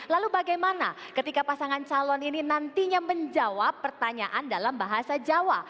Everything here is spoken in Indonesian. lalu bagaimana ketika pasangan calon ini nantinya menjawab pertanyaan dalam bahasa jawa